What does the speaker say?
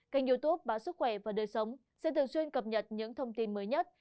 kênh youtube báo sức khỏe và đời sống sẽ thường xuyên cập nhật những thông tin mới nhất